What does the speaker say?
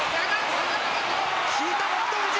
引いた北勝富士！